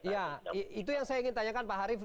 ya itu yang saya ingin tanyakan pak harif